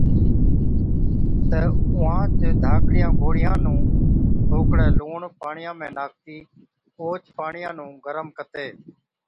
تہ اُونهانچ ڌاڪڙِيان گوڙهِيان نُون ٿوڪڙَي لُوڻ پاڻِيان ۾ ناکتِي اوهچ پاڻِيان نُون گرم ڪتِي